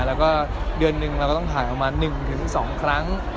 แล้วก็เดือนนึงเราก็ต้องถ่ายออกมาหนึ่งถึงสองครั้ง